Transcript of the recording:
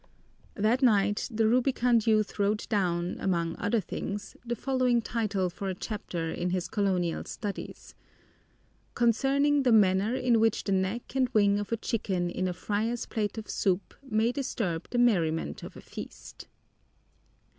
That night the rubicund youth wrote down, among other things, the following title for a chapter in his Colonial Studies: "Concerning the manner in which the neck and wing of a chicken in a friar's plate of soup may disturb the merriment of a feast."